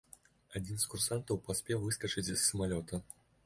Адзін з курсантаў паспеў выскачыць з самалёта.